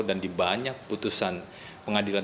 dan di banyak putusan pengadilan